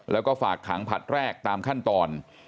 แล้วก็ฝากขังผลัดแรกตามขั้นตอน